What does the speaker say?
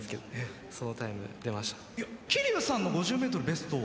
桐生さんの５０ｍベストは？